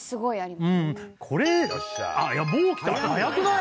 もう来た早くない？